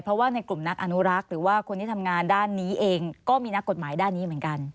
เพราะว่าในกลุ่มนักอนุรักษ์หรือว่าคนที่ทำงานด้านนี้เองก็มีนักกฎหมายด้านนี้เหมือนกัน